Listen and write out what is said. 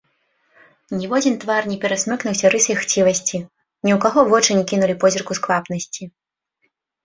Ніводзін твар не перасмыкнуўся рысай хцівасці, ні ў каго вочы не кінулі позірку сквапнасці.